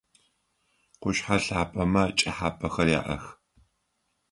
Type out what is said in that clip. Къушъхьэ лъапэмэ чӏэхьапэхэр яӏэх.